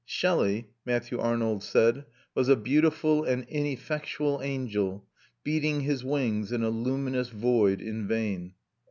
Shelley, Matthew Arnold said, was "a beautiful and ineffectual angel, beating his wings in a luminous void in vain."